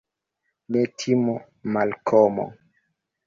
Ne timu, Malkomo.